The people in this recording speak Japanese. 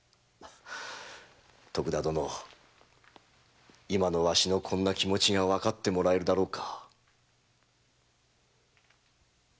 徳田殿わしの今のこの気持ちがわかってもらえるだろうか。